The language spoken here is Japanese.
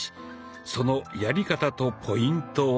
そのやり方とポイントは？